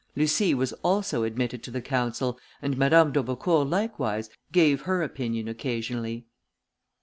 Lucie was also admitted to the council, and Madame d'Aubecourt likewise gave her opinion occasionally.